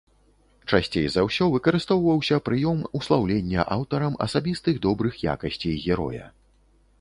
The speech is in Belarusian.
Часцей за ўсё выкарыстоўваўся прыём услаўлення аўтарам асабістых добрых якасцей героя.